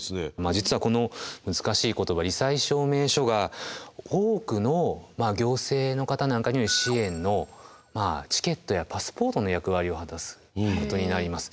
実はこの難しい言葉り災証明書が多くの行政の方なんかによる支援のチケットやパスポートの役割を果たすことになります。